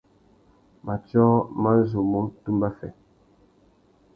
Matiō mà zu mú tumba fê.